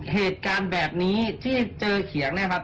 เหตุการณ์แบบนี้ที่เจอเขียงเนี่ยครับ